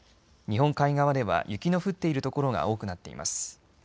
日本海側では雪の降っている所が多くなっています。